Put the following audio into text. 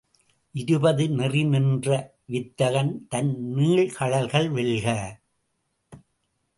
இருபது நெறிநின்ற வித்தகன்தன் நீள்கழல்கள் வெல்க!